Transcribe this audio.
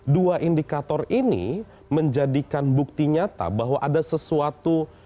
dua indikator ini menjadikan bukti nyata bahwa ada sesuatu yang sedang berlaku